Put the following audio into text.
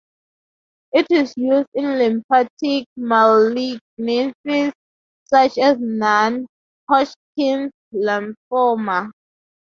It is used in lymphatic malignancies such as non-Hodgkin's lymphoma.